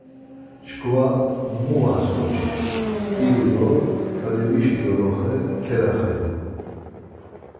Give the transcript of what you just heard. Çkva mu vas ǩoçik, idu do ǩalivişi doloxe kelaxedu.